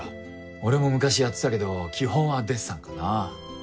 俺も昔やってたけど基本はデッサンかな。